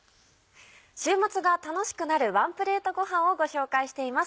週末が楽しくなるワンプレートごはんをご紹介しています。